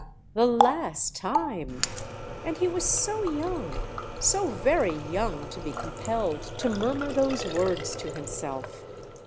The last time! And he was so young—so very young to be compelled to murmur those words to himself.